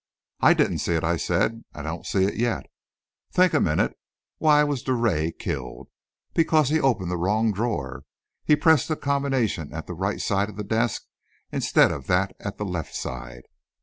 "I didn't see it," I said. "I don't see it yet." "Think a minute. Why was Drouet killed? Because he opened the wrong drawer. He pressed the combination at the right side of the desk, instead of that at the left side.